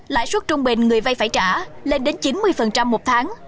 lãi suất trung bình người vay phải trả lên đến chín mươi một tháng